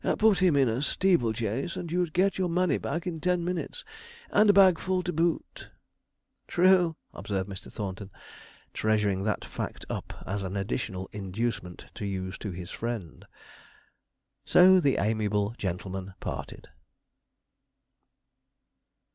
'Put him in a steeple chase, and you'd get your money back in ten minutes, and a bagful to boot.' 'True,' observed Mr. Thornton, treasuring that fact up as an additional inducement to use to his friend. So the amiable gentlemen parted.